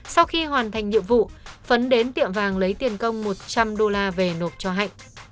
sau khi hoàn thành nhiệm vụ phấn đến tiệm vàng lấy tiền công một trăm linh đô la về nộp cho hạnh